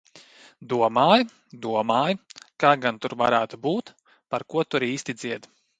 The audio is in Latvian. Domāju, domāju, kā gan tur varētu būt, par ko tur īsti dzied.